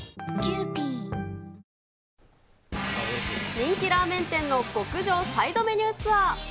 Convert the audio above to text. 人気ラーメン店の極上サイドメニューツアー。